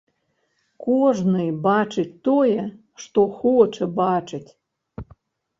Кожны бачыць тое, што хоча бачыць.